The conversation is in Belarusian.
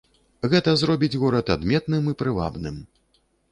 Гэта зробіць горад адметным і прывабным.